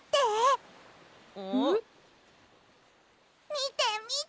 みてみて！